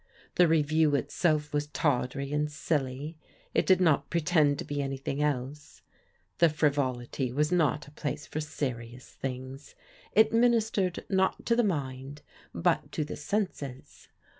The Revue itself was tawdry and silly — ^it did not pretend to be anything else. The Frivolity was not a place for sei\o\X"& VSclvt^. 'Sx 234 PRODIGAL DAUGHTEBS ministered not to the mind, but to the senses.